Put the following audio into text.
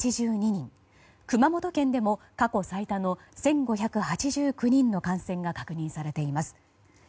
熊本県でも過去最多の１５８９人の感染が確認されています。